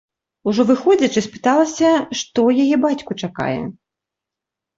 Ужо выходзячы, спыталася, што яе бацьку чакае.